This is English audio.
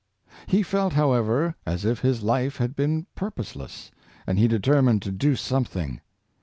He felt, however, as if his life had been purposeless, and he determined to do something.